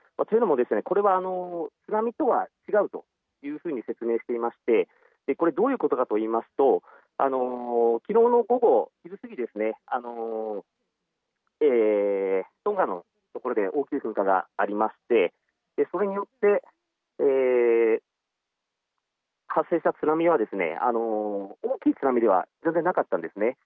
というのもこれは津波とは違うというふうに説明していましてどういうことかといいますと昨日の午後昼過ぎにトンガのところで大きい噴火がありましてそれによって発生した津波は、大きい津波では全然なかったんですね。